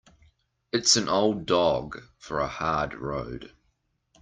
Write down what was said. It's an old dog for a hard road.